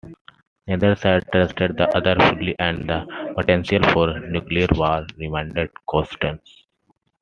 Neither side trusted the other fully and the potential for nuclear war remained constant.